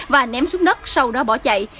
và ném xuống đất sau đó bỏ chạy